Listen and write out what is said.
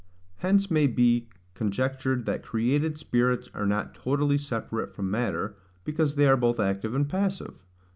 Hence may be conjectured that created spirits are not totally separate from matter, because they are both active and passive.